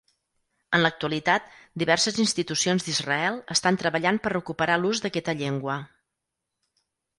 En l'actualitat, diverses institucions d'Israel estan treballant per recuperar l'ús d'aquesta llengua.